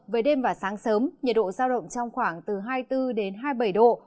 về đêm và sáng sớm nhiệt độ giao động trong khoảng từ hai mươi bốn hai mươi bảy độ